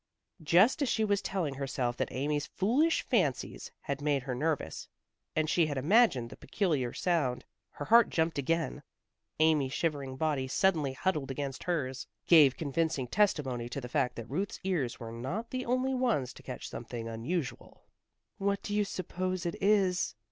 Just as she was telling herself that Amy's foolish fancies had made her nervous, and she had imagined the peculiar sound, her heart jumped again. Amy's shivering body suddenly huddled against hers, gave convincing testimony to the fact that Ruth's ears were not the only ones to catch something unusual. "What do you suppose it is?"